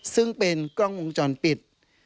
ซึ่งเป็นกล้องวงจรปิด